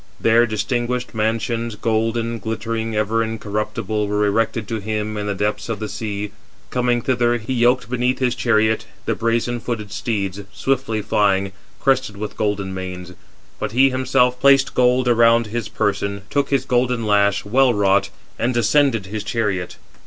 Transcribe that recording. There distinguished mansions, golden, glittering, ever incorruptible, were erected to him in the depths of the sea. Coming thither, he yoked beneath his chariot the brazen footed steeds, swiftly flying, crested with golden manes. But he himself placed gold around his person, took his golden lash, well wrought, and ascended his chariot.